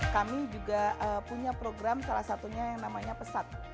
kami juga punya program salah satunya yang namanya pesat